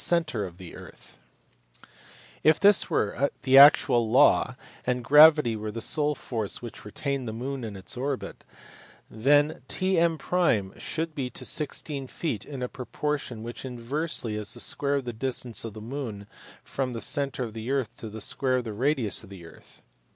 323 centre of the earth*; if this were the actual law and gravity were the sole force which retained the moon in its orbit, then TM should be to 16 feet in a proportion which was inversely as the square of the distance of the moon from the centre of the earth to the square of the radius of the earth.